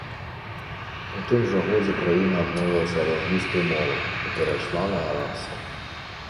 У тым жа годзе краіна адмовілася ад англійскай мовы і перайшла на арабскую.